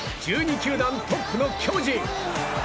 球団トップの巨人。